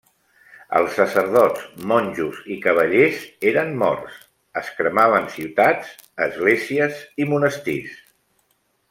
Els sacerdots, monjos i cavallers eren morts; es cremaven ciutats, esglésies i monestirs.